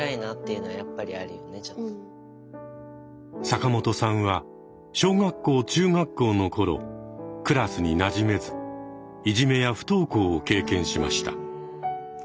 坂本さんは小学校中学校の頃クラスになじめずいじめや不登校を経験しました。